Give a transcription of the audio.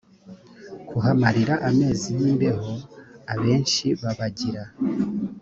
kuhamarira amezi y imbeho abenshi babagira